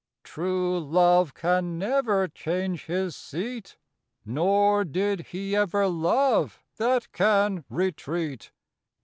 True love can never change his seat ; Nor did he ever love that can retreat.